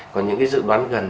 còn những dự đoán gần